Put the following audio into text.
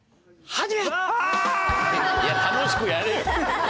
いや楽しくやれよ。